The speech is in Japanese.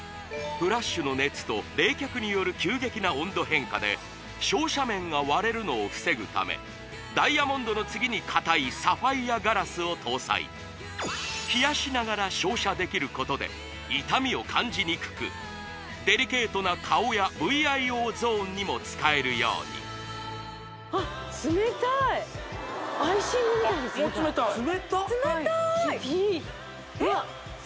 フラッシュの熱と冷却による急激な温度変化で照射面が割れるのを防ぐためダイヤモンドの次に硬いサファイアガラスを搭載冷やしながら照射できることで痛みを感じにくくデリケートな顔やＶＩＯゾーンにも使えるようにあっもう冷たい冷たっ冷たーいです